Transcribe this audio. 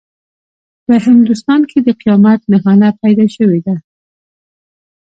په هندوستان کې د قیامت نښانه پیدا شوې ده.